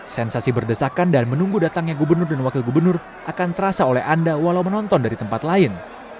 sensasi berdesakan dan menunggu datangnya gubernur dan wakil gubernur akan terasa oleh anda walau menonton dari tempat lain